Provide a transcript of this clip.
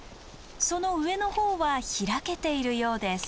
その上の方は開けているようです。